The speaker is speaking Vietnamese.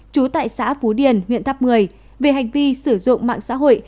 trú tại xã phú điền huyện tháp một mươi về hành vi sử dụng mạng xã hội